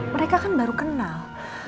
mereka kan baru kenal